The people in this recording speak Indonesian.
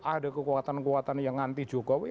ada kekuatan kekuatan yang anti jokowi